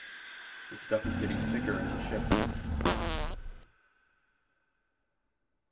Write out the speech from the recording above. The stuff is getting thicker in the ship.